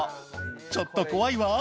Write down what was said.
ちょっと怖いわ。